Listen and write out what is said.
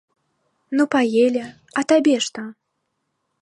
Ну паелі, а табе што?